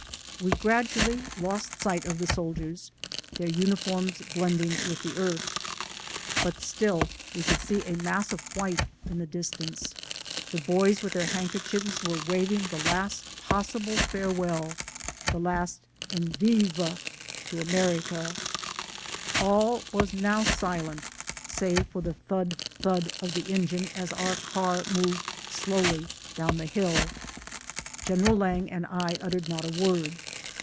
We gradually lost sight of the soldiers, their uniforms blending with the earth. But still we could see a mass of white in the distance; the boys with their handkerchiefs were waving the last pos 326 THE SOUL OF AN IMMIGRANT sible farewell, the last "ewiva" to America. All was now silent, save for the thud thud of the engine as our car moved slowly down the hill. General Lang and I uttered not a word.